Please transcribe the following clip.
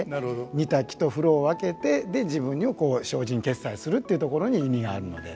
煮炊きと風呂を分けて自分に精進潔斎するっていうところに意味があるので。